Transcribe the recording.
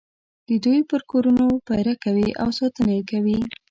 د دوی پر کورونو پېره کوي او ساتنه یې کوي.